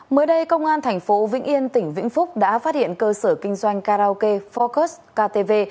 mới đây công an thành phố vĩnh yên tỉnh vĩnh phúc đã phát hiện cơ sở kinh doanh karaoke focus ktv